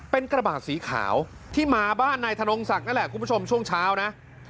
เป็นกระบาดสีขาวที่มาบ้านนายธนงศักดิ์นั่นแหละคุณผู้ชมช่วงเช้านะ